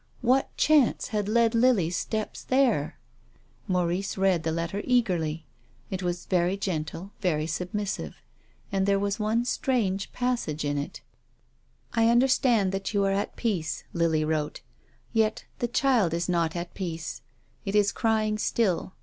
What chance had led Lily's steps there ? Maurice read the letter eagerly. It was very gen tle, very submissive. And there was one strange passage in it :" I understand that you are at peace," Lily Avrote. " Yet the child is not at peace. It is crying still.